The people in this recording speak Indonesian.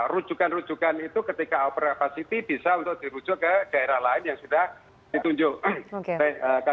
rujukan rujukan itu ketika over capacity bisa untuk dirujuk ke daerah lain yang sudah ditunjuk